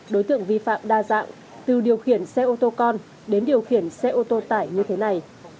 đối tượng vi phạm đa dạng từ điều khiển xe ô tô con đến điều khiển xe ô tô tải như thế này